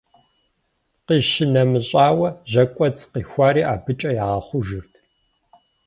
Къищынэмыщӏауэ, жьэкӏуэцӏ къихуари абыкӏэ ягъэхъужырт.